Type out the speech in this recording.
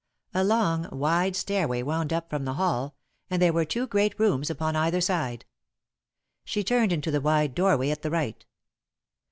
A long, wide stairway wound up from the hall, and there were two great rooms upon either side. She turned into the wide doorway at the right.